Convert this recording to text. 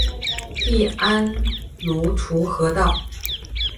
隶安庐滁和道。